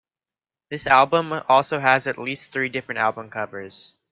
This album also has at least three different album covers.